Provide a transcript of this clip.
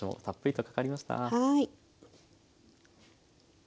はい。